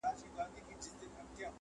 او پوره د خپلي میني مدعا کړي؛